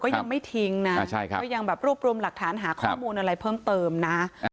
เขายังรูปรุมหลักฐานหาข้อมูลอะไรเพิ่มเติมนะ